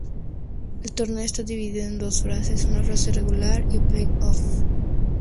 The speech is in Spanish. El torneo esta dividido en dos fases, una fase regular y play-offs.